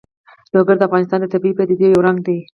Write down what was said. لوگر د افغانستان د طبیعي پدیدو یو رنګ دی.